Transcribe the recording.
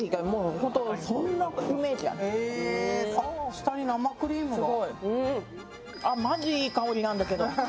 下に生クリームが。